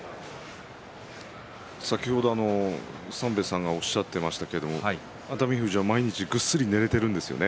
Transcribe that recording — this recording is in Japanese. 先ほど三瓶さんがおっしゃっていましたけれども熱海富士毎日ぐっすり眠れているんですよね。